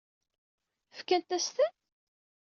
Fkant-as-ten?